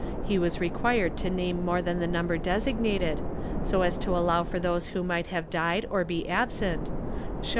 He was required to name more than the number designated, so as to allow for those who might have died or be absent, showing ' Simancse de Cath.